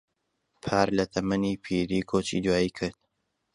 پار لە تەمەنی پیری کۆچی دوایی کرد.